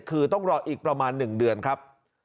คือต้องรออีกประมาณ๑เดือนครับ